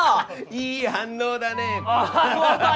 いい反応だね。